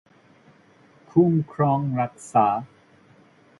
คุ้มครองรักษา